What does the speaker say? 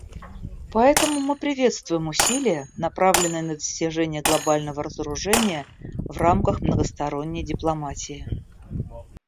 Поэтому мы приветствуем усилия, направленные на достижение глобального разоружения в рамках многосторонней дипломатии.